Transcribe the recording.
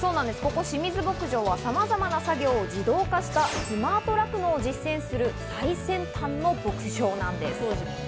ここ、清水牧場はさまざまな作業を自動化したスマート酪農を実践する最先端の牧場なんです。